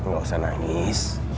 gak usah nangis